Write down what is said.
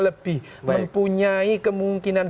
lebih mempunyai kemungkinan